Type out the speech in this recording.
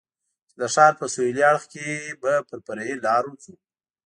چې د ښار په سهېلي اړخ کې به پر فرعي لارو ځو.